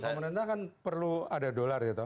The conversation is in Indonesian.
pemerintah kan perlu ada dolar gitu